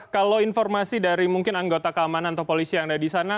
kalau informasi dari mungkin anggota keamanan atau polisi yang ada di sana